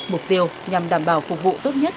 mục tiêu nhằm đảm bảo phục vụ tốt nhất